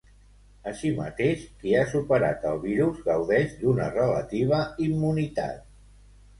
Així mateix, qui ha superat el virus gaudeix d'una relativa immunitat.